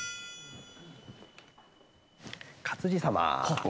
勝地様